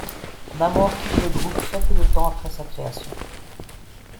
Namor quitte le groupe très peu de temps après sa création.